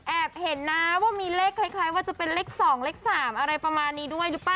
เห็นนะว่ามีเลขคล้ายว่าจะเป็นเลข๒เลข๓อะไรประมาณนี้ด้วยหรือเปล่า